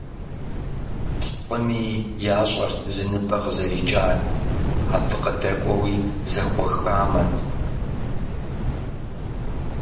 Плӏыми ящӏэрт зы ныбэ къызэрикӏар, абы къыдэкӏуэуи зэхуэхамэт.